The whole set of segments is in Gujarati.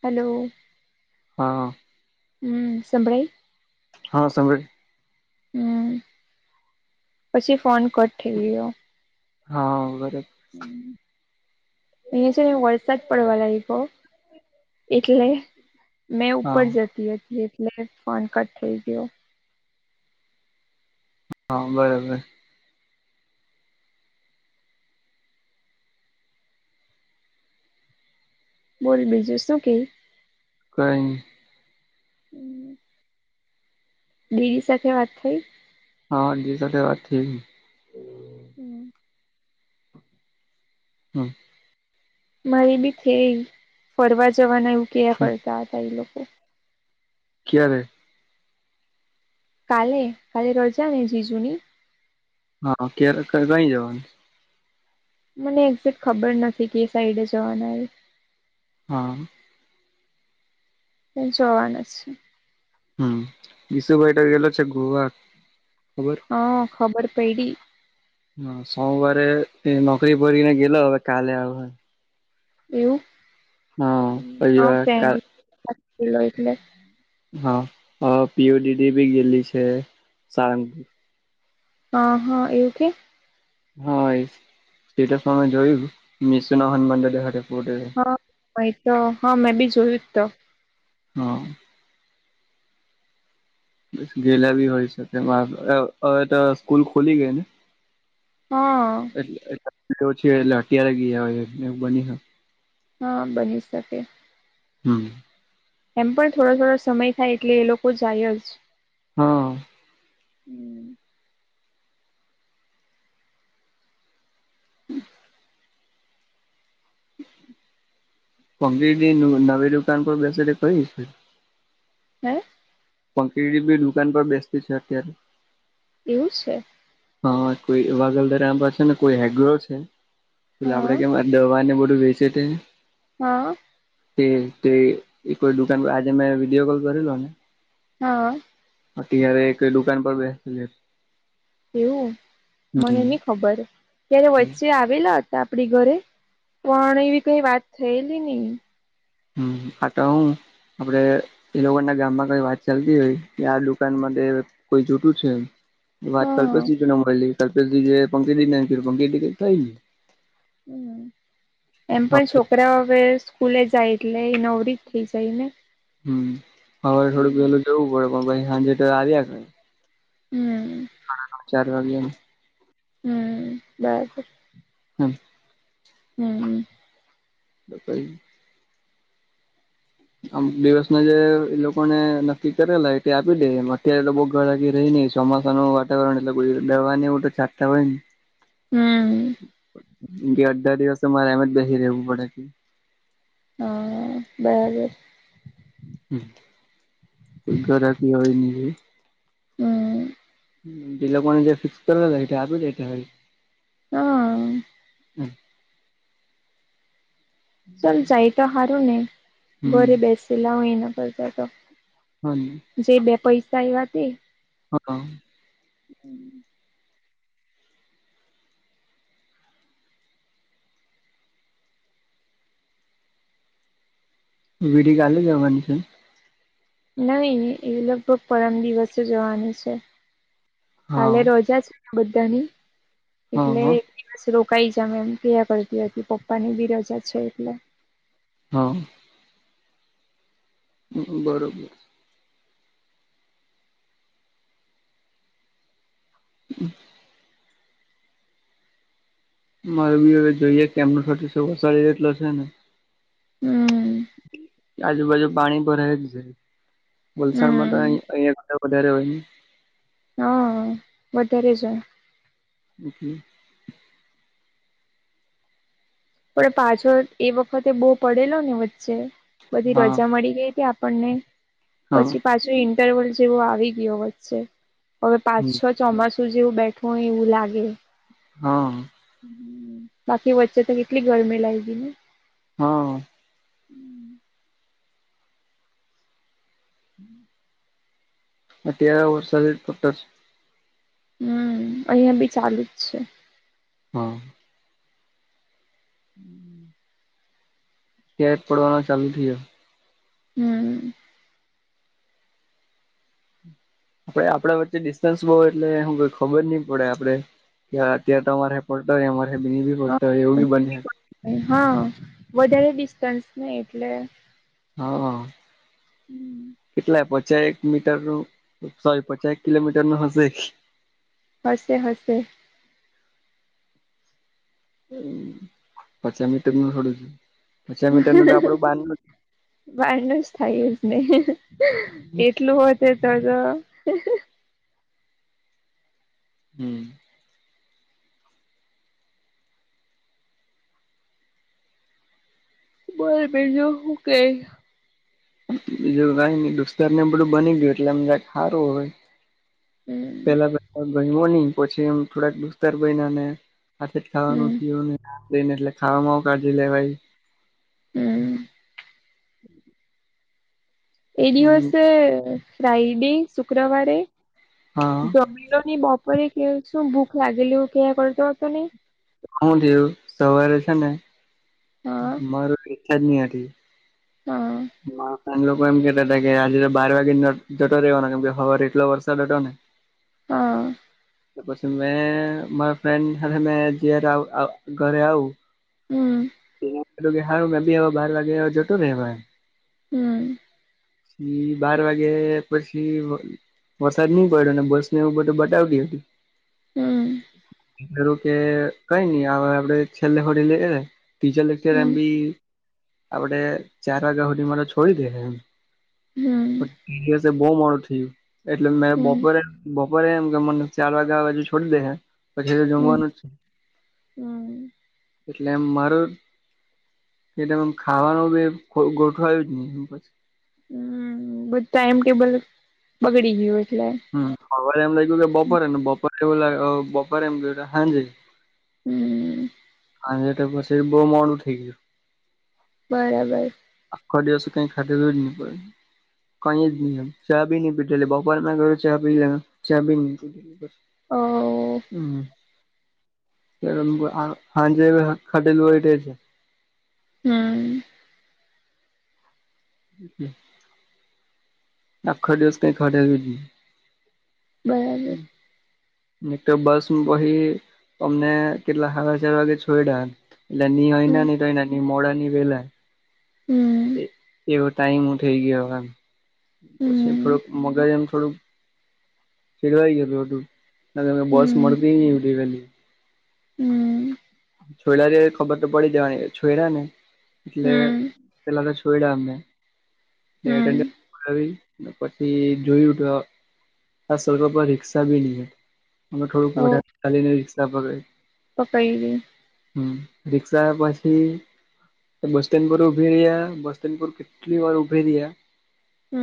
હલો! હા હમ્મ સંંભળાઈ હા સાંભળ્યું. હમ્મ પછી ફોન કર. હા બરોબર! અહીયા છે ને વરસાદ પડવા લાગ્યો એટલે મેં હા ઉપર જતી હતી એટલે ફોન કટ થઈ ગયો. હા બરાબર! બોલ બીજું શું કે? કઈ? દીદી સાથે વાત કરવી છે. હા દીદી સાથે વાત કરી. હમ્મ. હમ્મ. મારી બી થઈ ફરવા જવાના એવુ કેય હ હમ ફરવા જવું હ તો ક્યારે? કાલે કાલે રજા ને જીજુની હા ક્યારે કઈ જવાનું? મને એક્ઝેકટ ખબર નથી કે એ સાઈડે જવાનું હે.? હા! ત ચોવા છે? હમ બી સુભાઈટ ગેલો છે ગોવા ખબર હ ખબર પડી. હ સોમવારે એ નોકરી ભરીને ગેલો હવે કાલે આવે. એવું હા પછી [inaudible] કા ફન્ટલે હા પીયુ ડીડી ભી ગઇલી છે, સારંગપુર હ હા એવું કે? હા સ્ટેટસ મે જોયું મિશન હન મડળ હપ હ અ તો હા મેં બી જોયું જ તો- હા- બ ગેલા બી હોય છેકે હવે સ્કૂલ ખોલી ગઈ ને? હા છે એટલે અત્યારે ગયા હોય બની શકે? હા બની શકે, હમ! એમ પણ થોડા થોડા સમય થાય એટલે એ લોકો જાય જ- હા- હમ, પંક નવી દુકાન પર બેસેટ કઈ છે. હા [inaudible] પંકી દુકાન પર બેસતી છે અત્યારે- એવું છે. હા કોઈ વાગલદાર એમ પાસે ને કોઈ હેગ્ર છે. પ હા આપડે કે દવાને બધું વેચે છે. હા- તે તે કોઈ દુકાન પર આજે મેં વિડીયો કોલ કરેલો ને- હા- અત્યારે એક દુકાન પર બેસ છે. એવું મને નઈ ખબર ત્યારે હમ વચ્ચે આવેલ જ- આપડી ઘરે પણ એવી કઈ વાત થયેલી નઈ- હમ આટ હું આપડે- એ લોકો ના ગામમાં કઈ વાત ચાલતી હોય કે આ દુકાન કોઈ જોતું છે. વાત હા કલ્પેશજીો મળ કલ્પેશજી પંકીં થાય [unintelligible] હમ એમ પણ છોકરાઓ વ સ્કૂલે જાય એટલે એ નવરી જ થઈ જાય ને- હમ હવે થોડુંક પેલું જવું પડે પણછ સાંજેર આવ્યા ક- હમ [unintelligible] સાડા ચાર વાગ્યા- હમ બરાબર [unintelligible] હામ [unintelligible] હમ [unintelligible] બાકી આમ દિવસ ના જે એ લોકોને નક્કી કરેલા એ તે આપી દેમ અત્યારે લોકો બહ ઘરાગી રહી નઈ- ચોમાસાનું વાતાવરણ એટલે રહેવા ને એવ તો છાટતા હોય ને હમ મ કે અઢાર દિવસ તો મારે એમ જ બેસી રહેેવું પડે છે. હા બરાબર હ કોઈ ઘરા કી હોય નની- હમ જે લોકોને જે ફિક્સ કરે એ આપી દે- હા ચાલ જાય તો સારું ને હમ ઘરે બેસેલા હો એના કરતા તો- હા જે બે પૈસા એવા તે- હા- હમ [inaudible] વિડી કાલે જવાની છે. નહી એ લગભગ પરમ દિવસે જવાનું છે હા કાલે રોજા જ- બધાની હા હા એટલે- બસ રોકાઈ જમે એમ કયા કરતી હતી પપ્પા ની બી રજા છે એટલે- હા- હ બરોબર- હમ [inaudible] મારે બી હવે જોઈએ કે એમનો વારીટલો છે. ને- હમ આજુબાજુ પાણી ભરાય જ છે. વલસાડ માં તો હમ અંયા વધારે હોય ને- હા વધારે જાય - ઓકે [unintelligible] પણ પાછો એ વખતે બહ પડેલો ને વચ્ચે- બધી હા રજા મળી ગઈ હતી આપણને- હા પછી પાછો ઇન્ટરવલ જેવો આવી ગયો વચ્ચે હવે પાછ હમ છો- ચોમાસું જેવું બેઠવું હોય એવું લાગે- હા- બાકી વચ્ચે તો કેટલી ગરમી લાગ ગઈ ને- હા હમ [inaudible] અત્યારે વરસાદ પતા- હમ અહિયાંયા બી ચાલુ જ છે. હમ [inaudible] હમ [inaudible] [inaudible] ફદ પડવાનો ચાલુ થયો- હમ આપડે આપણા વચ્ચે ડિસ્ટન્સ બહુ એટલે હું કોઈ ખબર નહી પડે આપડે- અત્યારે તો અમારે પડતા હોય અમારે બ બી પડતા હોય એવું બી બને- હા વધારે ડિસ્ટન્સ નને એટલે - હા કેટલા પચાહેક - મીટર નું સોરી પચાસ એક કિલોમીટર નું હશે? હશે હશે. પાચાસ મીટર ન છોડું છું. વાાર ન જ થાય એ જ ને એટલું હોત- તેટ તો- હમ [inaudible] બોલ બજ કે [unintelligible] બીજું કઈ ન દુસ્તાર ને બધું બની ગયું એટલે એમ જ સારું હોય- હમ [inaudible] પેલા પ ગ હો નહી પછી એમ થોડાક દુસ્તાર ભય ને- સાથે જ ખાવાનું હમ થયું નેને એટલે ખાવામાં આવ કાઢઢી લે ભાઈ- હમ એ મને દિવસે રાઈડી શુક્રવારે હા જમીલોની બ- કે શું ભૂખ લાગલું કે કરતો તો નહી- શું થયું સવારે છે ને હા માર ઈચછા જ નહ હતી- હા મ લોકો એમ કેતા હતા કે આજે તો બાર વાગે જટો રહેવાનો કેમ હવા એટલો વરસાદટો ને- હા બસ- મે મારા ફ્રેન્ડ હ ઘરે આવ- હમ કે હાર મે બી હ બાર વાગ્યા જતો રેવા - હમ- પછી બાર વાગે પછી- વરસાદ નહીં પડ્યો અને બસ એવ બધું બટવતી હતી- હમ એરું કે કઈ નઈ હવે આપડે છેલ્લે હોડી લઈ- ટીચર લેક્ચર એમ હમ બી આપડે ચાર વાગ્યા- મા છોડી દેમછ હમ બહ મોડું થયું. એટલે મે હમ બપોરે બપોરે એમ કે મને ચાર વાગ્યા બાજુ છોડી દે- પછી તો હમ જમવાનું જ છે. હમ એટલેમ માર કે ખાવાનું બ ગોઠું આવ જ નહી. હમ બધું ટાઈમ ટેબલ બગડી ગયું એટલે હ બ એમ લાગય્યું કે બપોરે ને બપોરે એવું લ બપોરે એમ ગયું હાજે હમ આ એટ પછી બોવ મોડુ ન થઈ ગયું બરાબર! આખો દિવસો કઈ ખાતેું જ નહી પડે કઈ નહી બી નહી એટલે બપોર ના લ ચયા પી લ ચા પી ઓ હમ! હાજ ખટેેલું હોય છે.? હમ! જચ ના આખો ડિવસ કંઈન ખાધુ. બર ન તો બસ વહી અમને કેટલા સાડા ચાર વાગે છોઈડયા. એટલે હોના હમ ની તોય મોડાની પેલા હમ, એવો ટાઈમ હું થઇ ગયો. પછી હમ થોડુંક મગજ એમ થોડુંક ચીડવાઈ ગયું ધું નગર બસ મ હમ મળતી ન એલી વલી હમ છોડા જે ખબર તો પડી જેવાની છોરા ને એટલે હમ પેલા તો છ હમ [inaudible] પછી જોયું તો આ સળકો પર રિક્ષા બી નહી મ થોડુંક વધારેાલી ન રિક્ષા વગેર પકઈવી? હમ રિક્ષા પછી બસ સ્ટેન્ડ પર ઉભી રહ્યા બસ સ્ટેન્ડ પર કેટલી વાર ઉભે રહ્યા. હમ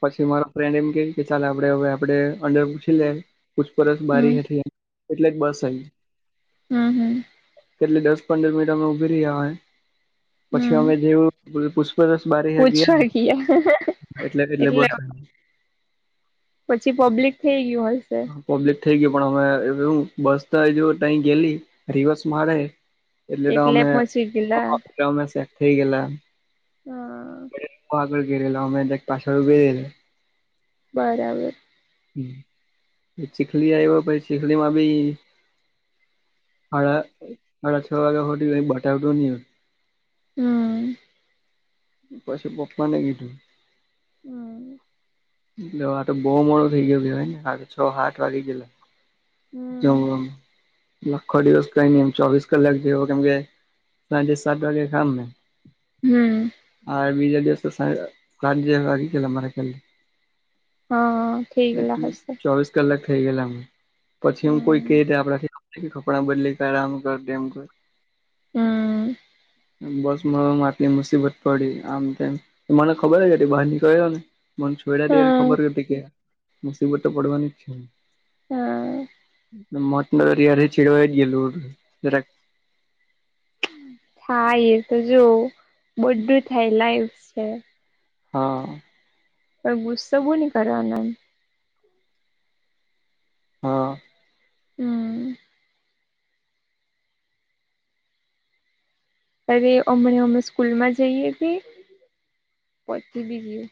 પછી મારા ફ્રેન્ડ એમ ક કે ચાલ આપડે હવે આપડે અંદર પૂછી લે. પૂછપરછ બરી હમ હઠ એટલે બસઈ. હમ હમ કેટલી દસ પંદર મિનિટ અમે ઉભી રહ્યા હોય પછી હમ અમે જેવું રસ બારી હ ગયા ને એટલે એટલે બસ પછી પબ્લિક થઈ ગયું હોય છે. પબ્લિક થઈ ગય પણ અમેું બસ તો જો ત ગેલી રિવર્સ મારે, એટલે તો અમે પહોંચી ગયેલા અમે શેક થઈ ગેલા. હા ગે અમેદ એક પાછળું ગ બરાબર! હમ એ ચીખલી આવ્યો પછી ચીખલીમાં બી હાડા હાડા છ વાગા હુધી કાઈ બટાવતું ની હોય હમ પાસું પપ્પાને કીધું? હમ એટલે હવે આ તો બહુ મોડો થઇ ગયો કહેવાય ને આ તો છ હાત વાગી ગેલા. હમ જમવામાં, એ આખો દિવસ કઈ નહીં એમ ચોવીસ કલાક જેવો કેમ કે સાંજે સાત વાગે કામને હમ, હવે બીજા દિવસે સાં સાંજે આવી ગેલા મારા ખ્યાલથી. હહ થઈ ગેલા હશે. ચોવીસ કલાક થઈ ગયેલા એમ પછી હું કોઈ કે હમ તે આપડાથી. પછી કપડાં બદલી કર આમ કર તેમ કર. હમ બસમાં આટલી મુસીબત પડી આમ તેમ મને ખબર જ હતી બહાર નીકળ્યો ને મન છોડ્યા ત્યારે હા ખબર હતી કે મુસીબત તો પડવાની જ છે. હહ મતલ એરીયા રે ચિડવાઈ જ ગેલું હતું જરાક હા એ તો જો બધું થાય લાઈફ સે હહ અ એ ગુસ્સો બહુ ની કરવાનો એમ હહ હમ અરે અમને અમે સ્કૂલમાં જઈએ કે પછી બીજી